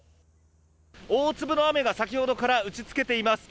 大粒の雨が先ほどから打ち付けています。